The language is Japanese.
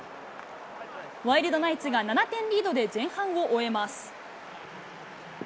ワイルドナイツが７点リードで前半を終えます。